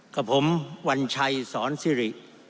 กับผมวัญชัยสอนซิริ